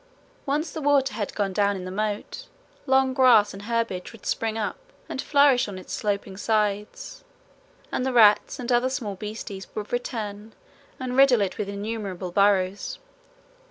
Once the water had gone down in the moat, long grass and herbage would spring up and flourish on its sloping sides, and the rats and other small beasties would return and riddle it with innumerable burrows.